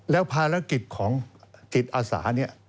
แล้วภารกิจของจิตอาสาเนี่ย